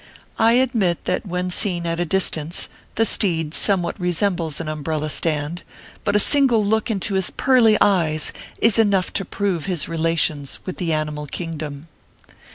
I admit that when seen at a distance, the steed somewhat resem bles an umbrella stand ; but a single look into his pearly eyes is enough to prove his relations with the animal kingdom.